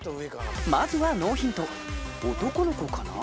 まずはノーヒント男の子かな？